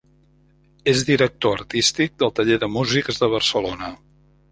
És director artístic del Taller de Músics de Barcelona.